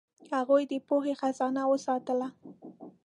هغوی د پوهې خزانه وساتله.